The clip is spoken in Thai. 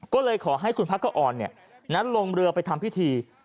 ก็เลยขอให้คุณพักกะอ่อนนั้นลงเรือไปทำพิธี